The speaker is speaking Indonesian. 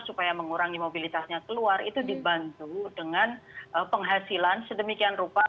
supaya mengurangi mobilitasnya keluar itu dibantu dengan penghasilan sedemikian rupa